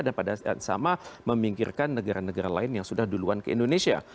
dan pada saat yang sama memingkirkan negara negara lain yang sudah duluan ke indonesia